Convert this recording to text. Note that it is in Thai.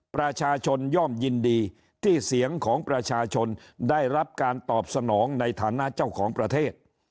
ประชาชนย่อมยินดีที่เสียงของประชาชนได้รับการตอบสนองในฐานะเจ้าของประเทศ